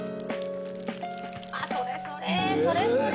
それそれそれそれ。